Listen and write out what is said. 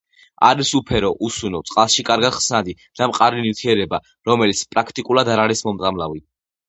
არის უფერო, უსუნო, წყალში კარგად ხსნადი და მყარი ნივთიერება, რომელიც პრაქტიკულად არ არის მომწამლავი.